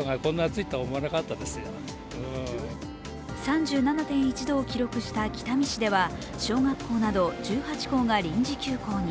３７．１度を記録した北見市では小学校など１８校が臨時休校に。